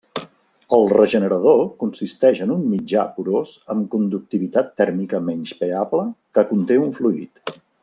El regenerador consisteix en un mitjà porós amb conductivitat tèrmica menyspreable, que conté un fluid.